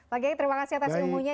pak gai terima kasih atas ilmunya